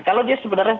kalau dia sebenarnya